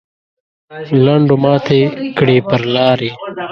لنډو ماتې کړې پر لارې.